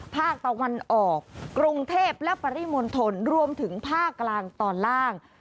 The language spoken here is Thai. ภาคตะวันออกกรุงเทพและปริมณฑลรวมถึงภาคกลางตอนล่าง